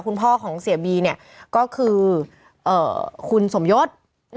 พ่อของเสียบีเนี่ยก็คือคุณสมยศ